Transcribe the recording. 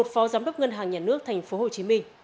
một phó giám đốc ngân hàng nhà nước tp hcm